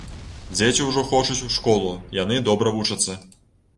Дзеці ўжо хочуць у школу, яны добра вучацца.